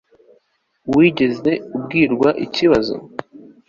wigeze ubwirwa ikibazo